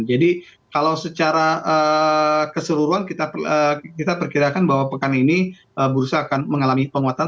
jadi kalau secara keseluruhan kita perkirakan bahwa pekan ini berusaha akan mengalami penguatan